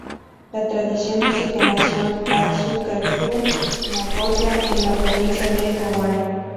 La tradición dice que nació en Atsuta-ku, Nagoya, en la Provincia de Owari.